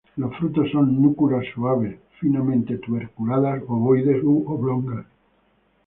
Los frutos son núculas suaves finamente tuberculadas, ovoides u oblongas.